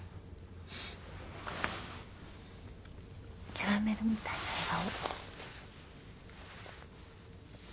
キャラメルみたいな笑顔。